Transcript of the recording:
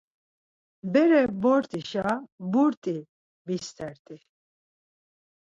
Bere vort̆işa burti vistert̆i.